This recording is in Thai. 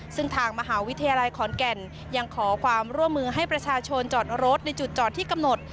ซึ่งทางมหาวิทยาลัยขอนแก่นยังขอความร่วมมือให้ประชาชนจอดรถในจุดจอดที่กำหนด